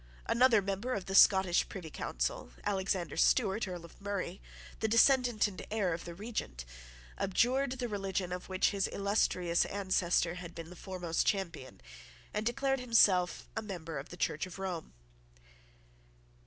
Another member of the Scottish Privy Council, Alexander Stuart, Earl of Murray, the descendant and heir of the Regent, abjured the religion of which his illustrious ancestor had been the foremost champion, and declared himself a member of the Church of Rome.